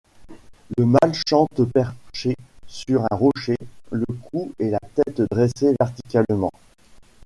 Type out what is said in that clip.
Le mâle chante perché sur un rocher, le cou et la tête dressés verticalement.